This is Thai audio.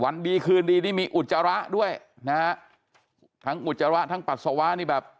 วันดีคืนดีนี่มีอุจจาระด้วยนะฮะทั้งอุจจาระทั้งปัสสาวะนี่แบบ